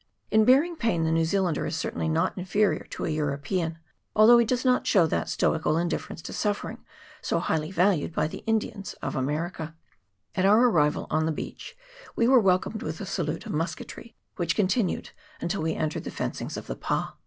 In bearing pain the New Zealander is cer tainly not inferior to a European, although he does not show that stoical indifference to suffering so highly valued by the Indians of America. 102 MEDICAL AID [PART I. At our arrival on the beach we were welcomed with a salute of musketry, which continued until we entered the fencings of the pa.